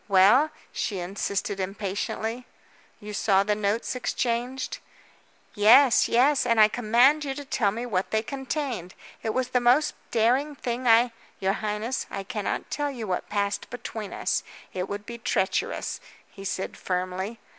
"Well?" she insisted impatiently. "You saw the notes exchanged?" "Yes, yes, and I command you to tell me what they contained. It was the most daring thing I " "You highness, I cannot tell you what passed between us. It would be treacherous," he said firmly.